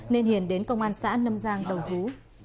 nên hiền đến công an xã lâm giang đầu thú